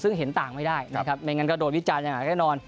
ซึ่งเห็นต่างไม่ได้นะครับนะครับไม่อย่างงานกระโดดวิจันทร์อย่างน้อยแน่นอน